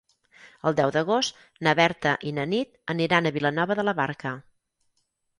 El deu d'agost na Berta i na Nit aniran a Vilanova de la Barca.